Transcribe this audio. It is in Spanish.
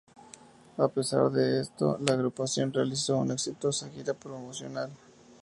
A pesar de esto la agrupación realizó una exitosa gira promocional.